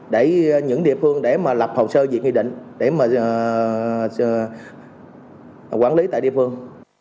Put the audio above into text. để những địa phương lập hồ sơ việc nghi định để quản lý tại địa phương